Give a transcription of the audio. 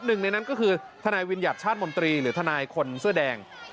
หนึ่งในนั้นก็คือทนายวิญญัติชาติมนตรีหรือทนายคนเสื้อแดง